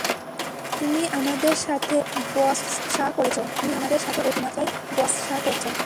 তুমি আমাদের সাথে বচসা করেছ—তুমি আমাদের সাথে অতিমাত্রায় বচসা করছ।